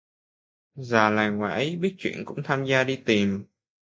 Già làng ngoài ấy biết chuyện cũng tham gia đi tìm